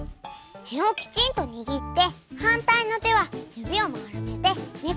えをきちんとにぎってはんたいのてはゆびをまるめてね